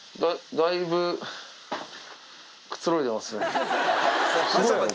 だいぶくつろいでますね。